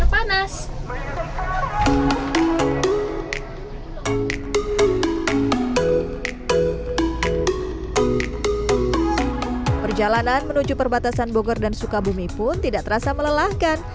panas perjalanan menuju perbatasan bogor dan sukabumi pun tidak terasa melelahkan